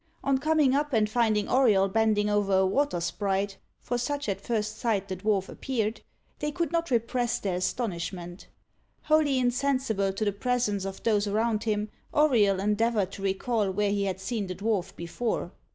On coming up, and finding Auriol bending over a water sprite for such, at first sight, the dwarf appeared they could not repress their astonishment. Wholly insensible to the presence of those around him, Auriol endeavoured to recall where he had seen the dwarf before.